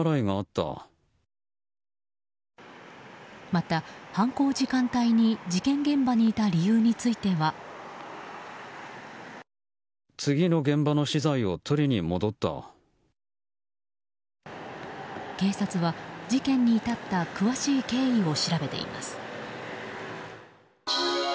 また、犯行時間帯に事件現場にいた理由については。警察は事件に至った詳しい経緯を調べています。